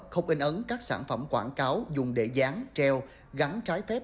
không in ấn các sản phẩm quảng cáo dùng để dán treo gắn trái phép